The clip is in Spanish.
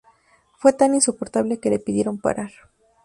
Fue tan insoportable que le pidieron parar.